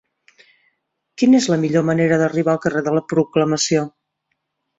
Quina és la millor manera d'arribar al carrer de la Proclamació?